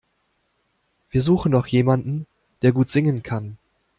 Wir suchen noch jemanden, der gut singen kann.